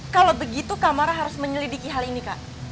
kalau begitu kak marah harus menyelidiki hal ini kak